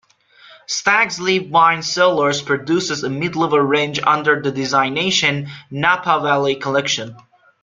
Stag's Leap Wine Cellars produces a mid-level range under the designation "Napa Valley Collection".